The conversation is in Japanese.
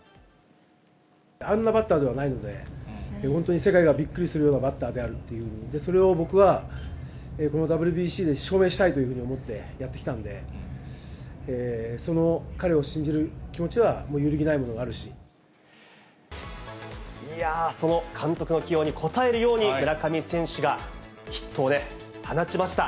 あんなバッターじゃないので、本当に世界がびっくりするようなバッターであると、それを僕はこのＷＢＣで証明したいというふうに思ってやってきたんで、その彼を信じる気持ちは、いやー、その監督の起用に応えるように、村上選手がヒットを放ちました。